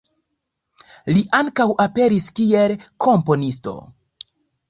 Li ankaŭ aperis kiel komponisto.